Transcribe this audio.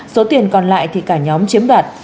số tiền còn lại thì cả nhóm chiếm đoạt